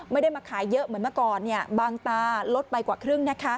ไม่ได้มาขายเยอะเหมือนเมื่อก่อนบางตาลดไปกว่าครึ่งนะคะ